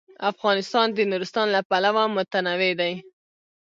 افغانستان د نورستان له پلوه متنوع دی.